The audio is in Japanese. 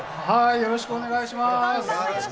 よろしくお願いします。